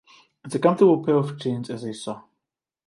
It's a comfortable pair of jeans as a song.